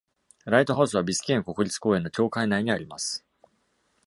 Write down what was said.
ライトハウスはビスケーン国立公園の境界内にあります。